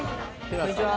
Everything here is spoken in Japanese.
こんにちは。